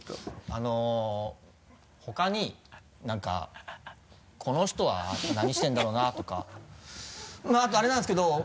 あの他に何かこの人は何してるんだろうなとかまぁあとあれなんですけど。